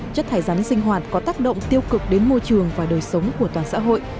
chất thải rắn sinh hoạt có tác động tiêu cực đến môi trường và đời sống của toàn xã hội